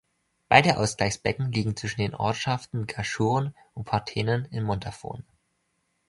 Beide Ausgleichsbecken liegen zwischen den Ortschaften Gaschurn und Partenen im Montafon.